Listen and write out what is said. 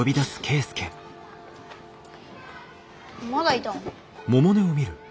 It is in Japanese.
まだいたの？